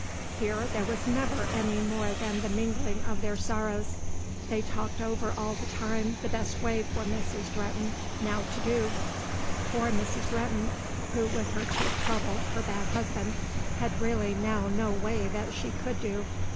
Here there was never any more than the mingling of their sorrows. They talked over all the time the best way for Mrs. Drehten now to do; poor Mrs. Drehten who with her chief trouble, her bad husband, had really now no way that she could do.